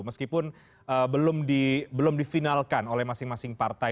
meskipun belum difinalkan oleh masing masing partai